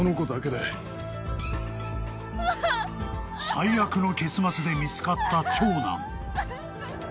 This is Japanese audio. ［最悪の結末で見つかった長男］